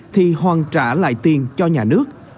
thì hoàn trả lại tiền cho nhà nước